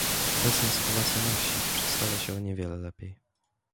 "Obecna sytuacja na wsi przedstawia się o niewiele lepiej."